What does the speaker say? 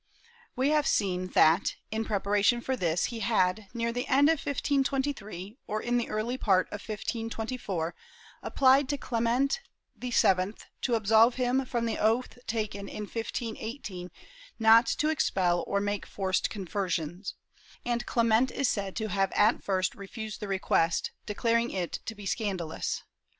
^ We have seen that, in preparation for this, he had, near the end of 1523 or in the early part of 1524, appHed to Clement VII to absolve him from the oath taken in 1518 not to expel or make forced conversions, and Clement is said to have at first refused the request, declaring it to be scandalous.